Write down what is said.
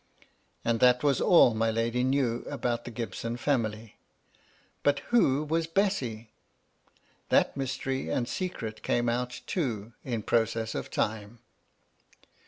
And that was all my lady knew about the Gibson family. But who was Bessy ? That mystery and secret came out, too, in process of time.